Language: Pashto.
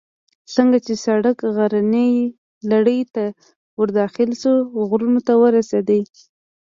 څنګه چې سړک غرنۍ لړۍ ته ور داخل شو، غرونو ته ورسېدو.